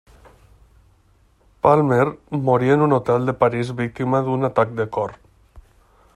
Palmer morí en un hotel de París víctima d'un atac de cor.